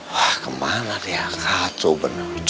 wah kemana dia kacau bener